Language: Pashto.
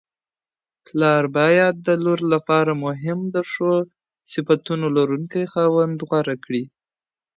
پلار بايد د لور لپاره هم د ښو صفتونو لرونکی خاوند غوره کړي!